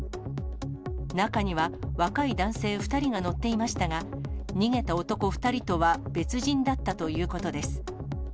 中には、若い男性２人が乗っていましたが、逃げた男２人とは別人だったということです。